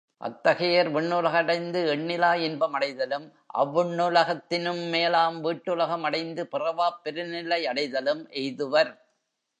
அத்தகையர், விண்ணுல கடைந்து எண்ணிலா இன்பம் அடைதலும், அவ்விண்ணுலகத்தினும் மேலாம் வீட்டுலகம் அடைந்து, பிறவாப் பெருநிலை அடைதலும் எய்துவர்.